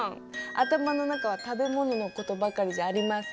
頭の中は食べ物のことばかりじゃありません。